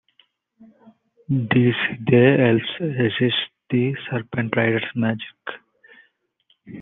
The Sidhe elves resist the Serpent Riders' magic.